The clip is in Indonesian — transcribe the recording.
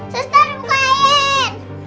susah di bukain